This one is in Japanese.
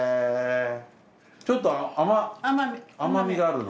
ちょっと甘みがあるの？